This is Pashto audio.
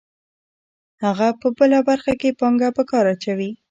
هغه په بله برخه کې پانګه په کار اچوي